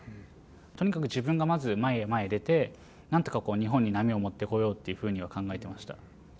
とにかく自分がまず、前へ前へ出て、なんとか日本に波を持ってこようというふうには考えていました。